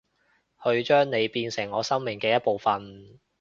去將你變成我生命嘅一部份